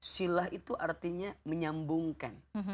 silah itu artinya menyambungkan